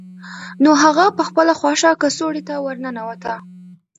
نو هغه په خپله خوښه کڅوړې ته ورننوته